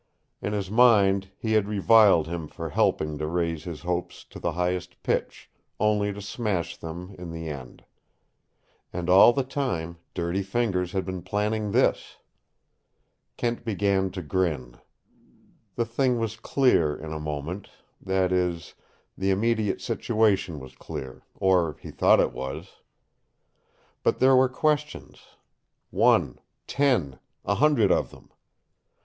In his mind he had reviled him for helping to raise his hopes to the highest pitch, only to smash them in the end. And all the time Dirty Fingers had been planning this! Kent began to grin. The thing was clear in a moment that is, the immediate situation was clear or he thought it was. But there were questions one, ten, a hundred of them.